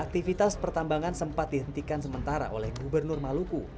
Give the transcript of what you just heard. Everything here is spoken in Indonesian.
aktivitas pertambangan sempat dihentikan sementara oleh gubernur maluku